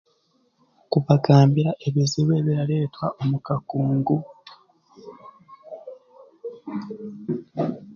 Kubagambira ebizibu ebirareetwa omu kakungu